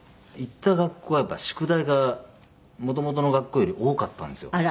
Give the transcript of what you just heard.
行った学校はやっぱり宿題がもともとの学校より多かったんですよ。